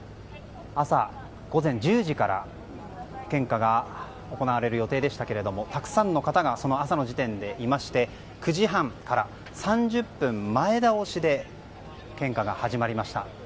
午前１０時から献花が行われる予定でしたがたくさんの方が朝の時点でいまして９時半から３０分前倒しで献花が始まりました。